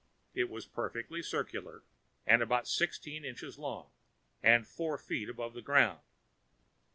It was perfectly circular and about sixteen inches long. And four feet above the ground.